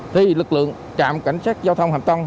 thì lực lượng trạm cảnh sát giao thông hạm tông